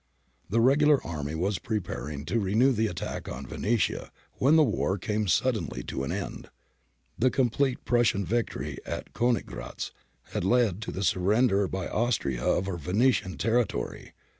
The regular army was preparing to re new the attack on Venetia when the war came suddenly to an end. The complete Prussian victory at Koniggratz had led to the surrender by Austria of her Venetian terri 1 Morley, ii.